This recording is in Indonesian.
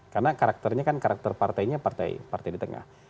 karena karakternya kan karakter partainya partai di tengah